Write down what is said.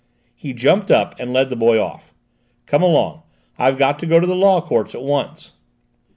He jumped up and led the boy off. "Come along: I've got to go to the Law Courts at once."